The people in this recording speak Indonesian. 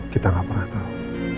kita gak pernah tahu